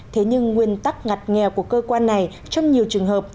thế nhưng nguyên tắc ngặt nghèo của cơ quan này trong nhiều trường hợp